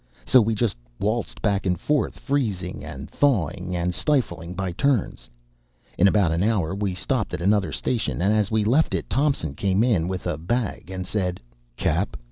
So we just waltzed back and forth, freezing, and thawing, and stifling, by turns. In about an hour we stopped at another station; and as we left it Thompson came in with a bag, and said, "Cap.